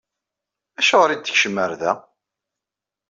Acuɣer i d-tekcem ɣer da?